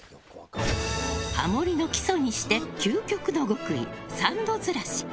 ハモリの基礎にして究極の極意、３度ずらし。